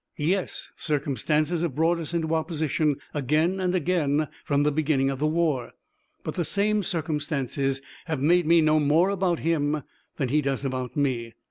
"Yes, circumstances have brought us into opposition again and again from the beginning of the war, but the same circumstances have made me know more about him than he does about me.